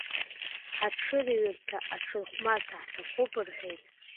Аҽырҩырҭа, аҽырхәмаррҭа ҳҭахуп, — рҳәеит.